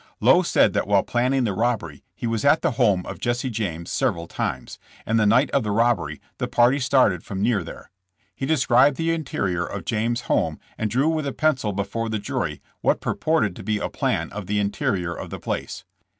Lowe said that while planning the robbery he was at the home of Jesse James several times, and the night of the robbery the party started from near there. He described the interior of the James home and drew with a pencil before the jury what pur ported to be a plan of the interior of the place.